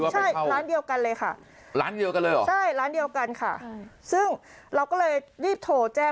ใช่ร้านเดียวกันเลยค่ะร้านเดียวกันค่ะซึ่งเราก็เลยรีบโทรแจ้ง